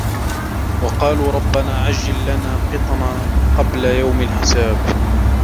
وَقَالُوا رَبَّنَا عَجِّلْ لَنَا قِطَّنَا قَبْلَ يَوْمِ الْحِسَابِ